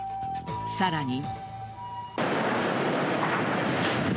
さらに。